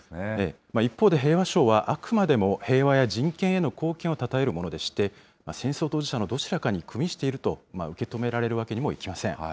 一方で、平和賞はあくまでも平和や人権への貢献をたたえるものでして、戦争当事者のどちらかにくみしていると受け止められるわけにもいきません。